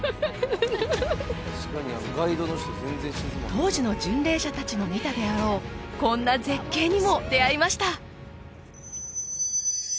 当時の巡礼者達も見たであろうこんな絶景にも出会いました